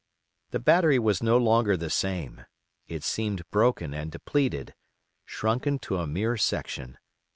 The battery was no longer the same: it seemed broken and depleted, shrunken to a mere section.